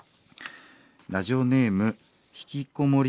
ラジオネームひきこもり